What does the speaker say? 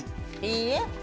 いいえ。